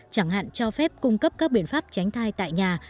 chẳng hạn cho phép cung cấp các biện pháp tránh thai tại nhà